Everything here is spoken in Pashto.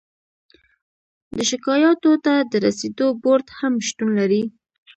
د شکایاتو ته د رسیدو بورد هم شتون لري.